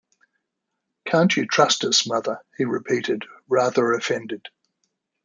“Can’t you trust us, mother?” he repeated, rather offended.